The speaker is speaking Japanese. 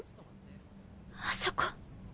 あ？あそこ。